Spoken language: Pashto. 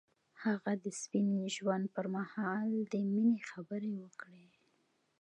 هغه د سپین ژوند پر مهال د مینې خبرې وکړې.